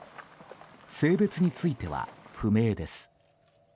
性別については不明です。